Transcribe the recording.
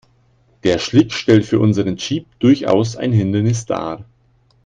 Der Schlick stellt für unseren Jeep durchaus ein Hindernis dar.